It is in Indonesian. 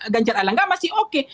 ganjar erlangga masih oke